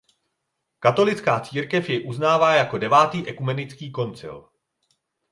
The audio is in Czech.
Katolická církev jej uznává jako devátý ekumenický koncil.